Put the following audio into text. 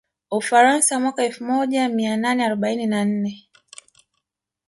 Ufaransa mwaka elfu moja mia nane arobaini na nne